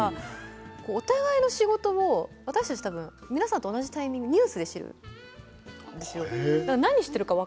お互いの仕事を私たちは多分皆さんと同じニュースで知るんですよ。